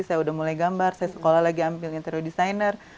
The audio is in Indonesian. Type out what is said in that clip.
saya udah mulai gambar saya sekolah lagi ambil interior designer